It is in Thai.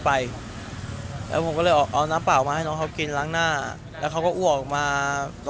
แบบเริ่มไม่ไหวแล้วครับ